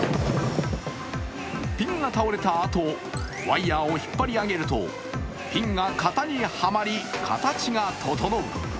ピンが倒れたあとワイヤーを引っ張り上げるとピンが型にはまり形が整う。